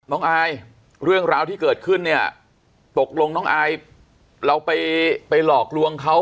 อายเรื่องราวที่เกิดขึ้นเนี่ยตกลงน้องอายเราไปหลอกลวงเขา